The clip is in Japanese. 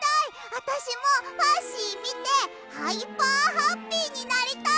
あたしもファッシーみてハイパーハッピーになりたい！